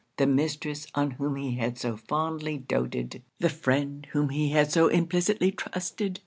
the mistress on whom he had so fondly doated! the friend whom he had so implicitly trusted!'